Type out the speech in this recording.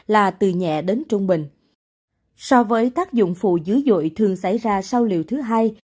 là từ nhẹ đến trung bình so với tác dụng phụ dữ dội thường xảy ra sau liệu thứ hai